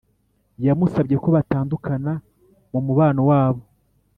yamusabye ko batandukana mumubano wabo